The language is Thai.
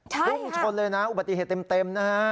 ใช่ค่ะคุณผู้ชมเลยนะอุบัติเหตุเต็มนะฮะ